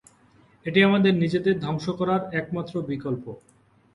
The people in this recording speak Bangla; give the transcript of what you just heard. এটি আমাদের নিজেদের ধ্বংস করার একমাত্র বিকল্প।